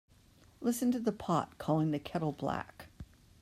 Listen to the pot calling the kettle black.